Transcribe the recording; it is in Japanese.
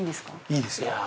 ◆いいですよ。